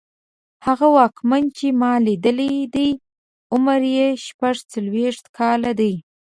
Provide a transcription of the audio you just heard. هغه واکمن چې ما لیدلی دی عمر یې شپږڅلوېښت کاله دی.